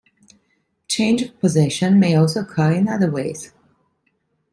Change of possession may also occur in other ways.